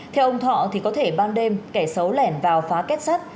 theo ông thọ thì có thể ban đêm kẻ xấu lẻn vào phá kết sắt